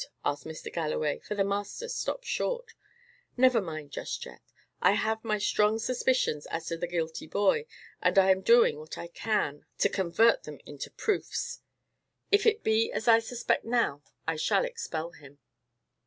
asked Mr. Galloway, for the master stopped short. "Never mind, just yet. I have my strong suspicions as to the guilty boy, and I am doing what I can to convert them into proofs. If it be as I suspect now, I shall expel him."